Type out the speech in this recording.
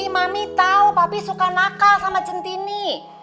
mami tahu pami suka nakal sama centini